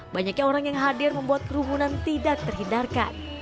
banyaknya orang yang hadir membuat kerumunan tidak terhindarkan